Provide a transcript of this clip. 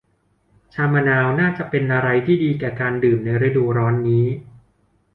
ชามะนาวน่าจะเป็นอะไรที่ดีแก่การดื่มในฤดูร้อนนี้